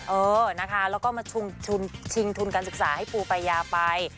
เออนะคะแล้วก็มาชิงทุนการศึกษาให้ปูปายาไป